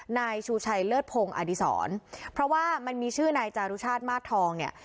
นายชูชัยเลิศพงศ์อดีศรเพราะว่ามันมีชื่อนายจารุชาติมาสทองเนี่ย